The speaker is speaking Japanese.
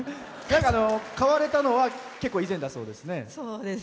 買われたのは結構以前だそうですね。